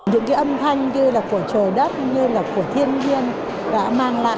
những cái âm thanh như là của trời đất như là của thiên nhiên đã mang lại cho chúng ta những cái cảm xúc